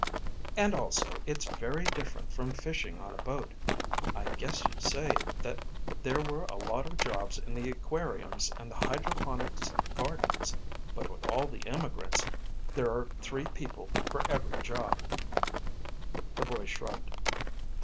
"... and also, it's very different from fishing on a boat. I guess you'd say that there were a lot of jobs in the aquariums and the hydroponics gardens. But with all the immigrants, there are three people for every job." The boy shrugged.